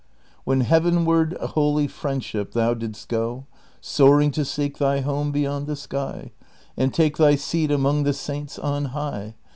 When heavenward, holy Friendship, thou didst go Soaring to seek thy home beyond the sky, And take thv seat among the saints on hia'h.